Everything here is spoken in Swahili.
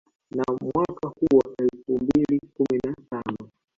Na mwaka huo elfu mbili kumi na tano